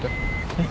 はい。